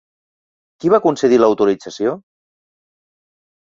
Qui va concedir l'autorització?